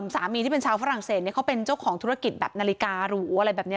สามีที่เป็นชาวฝรั่งเศสเขาเป็นเจ้าของธุรกิจแบบนาฬิการูอะไรแบบนี้